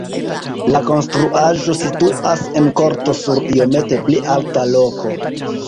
La konstruaĵo situas en korto sur iomete pli alta loko.